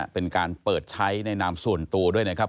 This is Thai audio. เป็นการเปิดใช้ในนามส่วนตัวด้วยนะครับ